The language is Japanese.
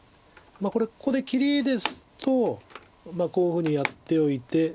これここで切りですとこういうふうにやっておいて。